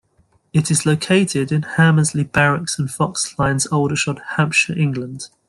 It is located in Hammerseley Barracks and Fox Lines, Aldershot, Hampshire, England.